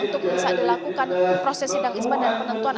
untuk bisa dilakukan proses hidang ispan dan penentuan